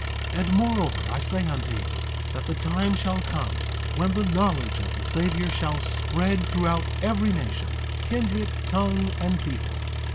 3:20 And moreover, I say unto you, that the time shall come when the knowledge of the Savior shall spread throughout every nation, kindred, tongue, and people.